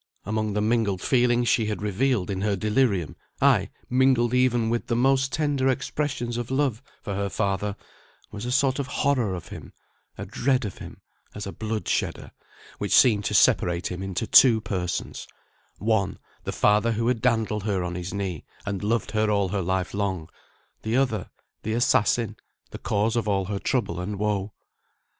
Among the mingled feelings she had revealed in her delirium, ay, mingled even with the most tender expressions of love for her father, was a sort of horror of him; a dread of him as a blood shedder, which seemed to separate him into two persons, one, the father who had dandled her on his knee, and loved her all her life long; the other, the assassin, the cause of all her trouble and woe.